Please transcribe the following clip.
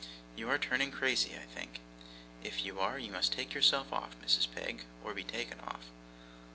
You are turning crazy, I think. If you are, you must take yourself off, Mrs. Peg or be taken off.